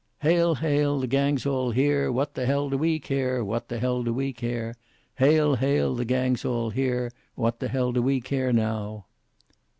"Hail, hail, the gang's all here, What the hell do we care? What the hell do we care? Hail, hail, the gang's all here, What the hell do we care now?"